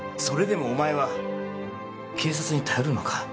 それでもお前は警察に頼るのか？